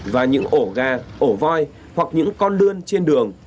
và những ổ ga ổ voi hoặc những con lươn trên đường